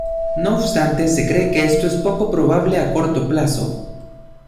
No obstante, se cree que esto es poco probable a corto plazo.